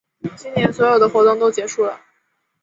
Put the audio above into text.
今年所有的活动都结束啦